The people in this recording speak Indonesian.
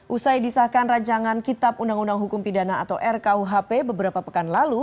usai disahkan rajangan kitab undang undang hukum pidana atau rkuhp beberapa pekan lalu